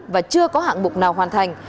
và chưa có hạng mục nào hoàn thành